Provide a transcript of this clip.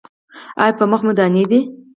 ایا په مخ مو دانې دي؟